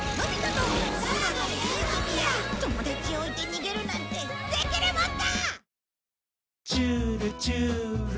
友達を置いて逃げるなんてできるもんか！